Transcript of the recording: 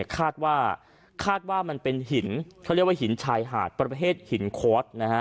คาดว่ามันเป็นหินชายหาดประเภทหินโค๊ต